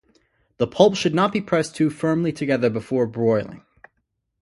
The pulp should not be pressed too firmly together before broiling.